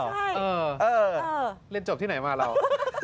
ใช่เออเออเออเล่นจบที่ไหนมาเรา